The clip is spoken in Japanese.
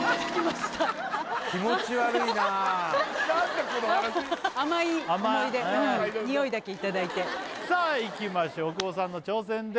気持ち悪いな何だこの話甘い思い出匂いだけいただいてさあいきましょう大久保さんの挑戦です